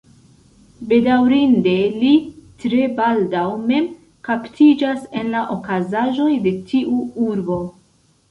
Bedaŭrinde, li tre baldaŭ mem kaptiĝas en la okazaĵoj de tiu urbo.